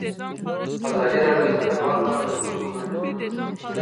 ازادي راډیو د کډوال په اړه د خلکو وړاندیزونه ترتیب کړي.